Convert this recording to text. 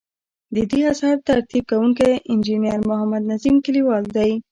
ددې اثر ترتیب کوونکی انجنیر محمد نظیم کلیوال دی.